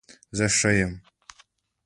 زه ښه يم